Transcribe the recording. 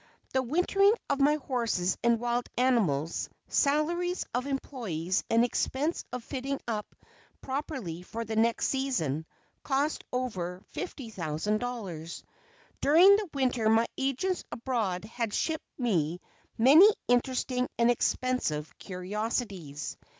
The wintering of my horses and wild animals, salaries of employees and expense of fitting up properly for the next season, cost over $50,000. During the winter my agents abroad have shipped me many interesting and expensive curiosities.